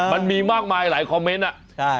มันมีมากมายหลายคอมเมนต์อะ